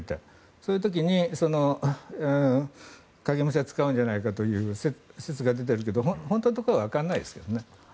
そういう時に影武者を使うんじゃないかという説が出てるけど本当のところはわからないですけどね。